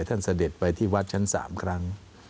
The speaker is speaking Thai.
เสด็จไปที่วัดชั้น๓ครั้ง